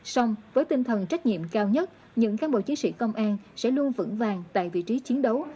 xong với tinh thần trách nhiệm cao nhất những cán bộ chiến sĩ công an sẽ luôn vững vàng tại vị trí chiến đấu